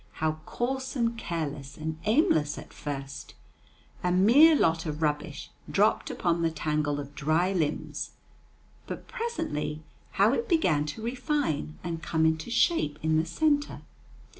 How coarse and careless and aimless at first, a mere lot of rubbish dropped upon the tangle of dry limbs; but presently how it began to refine and come into shape in the centre!